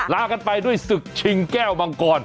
ลากันไปด้วยศึกชิงแก้วมังกร